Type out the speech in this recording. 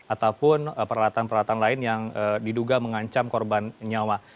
ataupun peralatan peralatan lain yang diduga mengancam korban nyawa